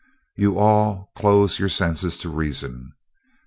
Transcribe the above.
You all close your senses to reason.